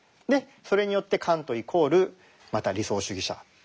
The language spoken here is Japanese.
それによってカントイコールまた理想主義者。